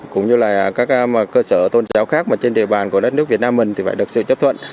cũng như là các cơ sở tôn giáo khác mà trên địa bàn của đất nước việt nam mình thì phải được sự chấp thuận